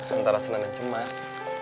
antara senang dan cemas